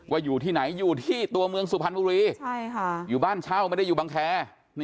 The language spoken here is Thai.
อยู่ที่ไหนอยู่ที่ตัวเมืองสุพรรณบุรีอยู่บ้านเช่าไม่ได้อยู่บังแค